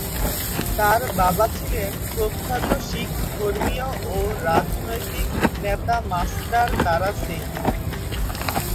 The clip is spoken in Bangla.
তার বাবা ছিলেন প্রখ্যাত শিখ ধর্মীয় ও রাজনৈতিক নেতা মাস্টার তারা সিং।